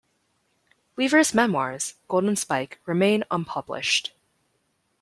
Weaver's memoirs, "Golden Spike", remain unpublished.